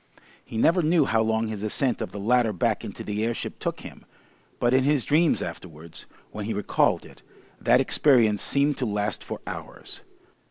He never knew how long his ascent of the ladder back into the airship took him, but in his dreams afterwards, when he recalled it, that experience seemed to last for hours.